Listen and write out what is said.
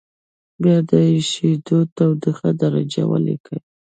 بیا د اېشېدو تودوخې درجه ولیکئ.